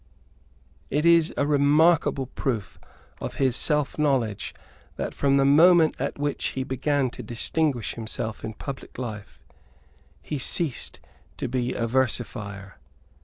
It is a remarkable proof of his selfknowledge that, from the moment at which he began to distinguish himself in public life, he ceased to be a versifier.